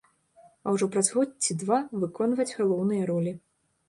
А ужо праз год ці два выконваюць галоўныя ролі.